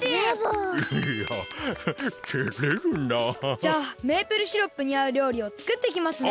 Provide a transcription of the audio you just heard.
じゃあメープルシロップにあうりょうりをつくってきますね。